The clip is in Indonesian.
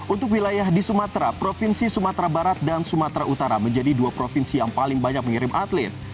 untuk wilayah di sumatera provinsi sumatera barat dan sumatera utara menjadi dua provinsi yang paling banyak mengirim atlet